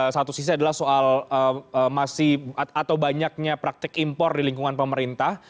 satu sisi adalah soal masih atau banyaknya praktik impor di lingkungan pemerintah